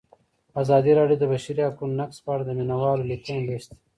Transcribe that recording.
ازادي راډیو د د بشري حقونو نقض په اړه د مینه والو لیکونه لوستي.